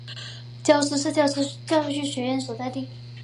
皎施是皎施教育学院的所在地。